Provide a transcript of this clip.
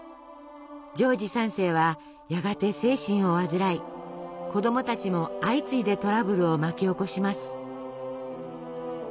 ジョージ３世はやがて精神を患い子どもたちも相次いでトラブルを巻き起こします。